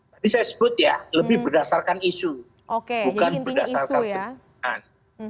tadi saya sebut ya lebih berdasarkan isu bukan berdasarkan penggunaan